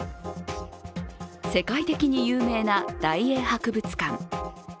世界的に有名な大英博物館。